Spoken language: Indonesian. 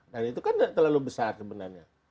nah itu kan tidak terlalu besar sebenarnya